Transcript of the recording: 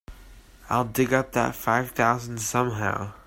I'll dig up that five thousand somehow.